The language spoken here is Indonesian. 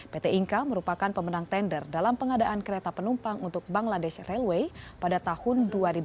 pt inka merupakan pemenang tender dalam pengadaan kereta penumpang untuk bangladesh railway pada tahun dua ribu dua puluh